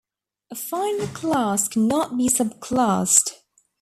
A final class cannot be subclassed.